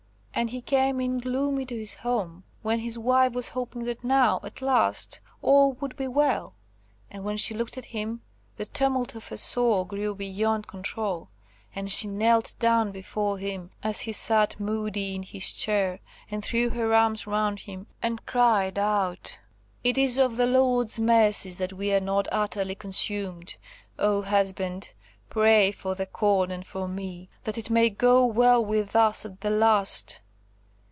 And he came in gloomy to his home, when his wife was hoping that now, at last, all would be well; and when she looked at him the tumult of her soul grew beyond control, and she knelt down before him as he sat moody in his chair, and threw her arms round him, and cried out,–"It is of the Lord's mercies that we are not utterly consumed. Oh, husband! pray for the corn and for me, that it may go well with us at the last!